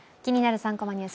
３コマニュース」。